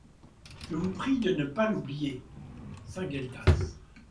Je vous prie de ne pas l'oublier ! SAINT-GUELTAS.